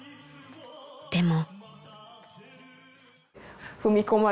でも］